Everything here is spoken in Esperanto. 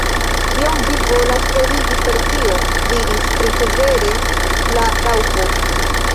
"Kion vi volas kredigi per tio?" diris tre severe la Raŭpo.